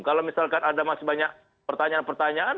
kalau misalkan ada masih banyak pertanyaan pertanyaan